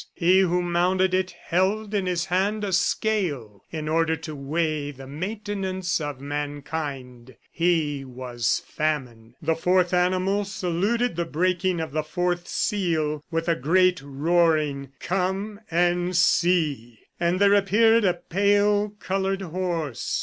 He who mounted it held in his hand a scale in order to weigh the maintenance of mankind. He was Famine. The fourth animal saluted the breaking of the fourth seal with a great roaring "Come and see!" And there appeared a pale colored horse.